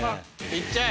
行っちゃえ。